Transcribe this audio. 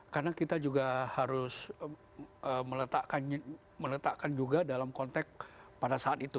karena kita juga harus meletakkan juga dalam konteks pada saat itu